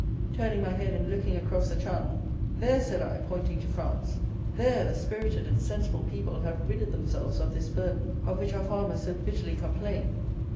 Turning my head, and looking across the Channel, "There," said I, pointing to France, "There the spirited and sensible people have ridded themselves of this burden, of which our farmers so bitterly complain."